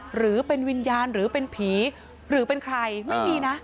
หรือเป็นวิญญาณหรือเป็นผีหรือเป็นใครไม่มีนะ